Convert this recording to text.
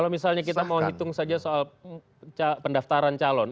kalau misalnya kita mau hitung saja soal pendaftaran calon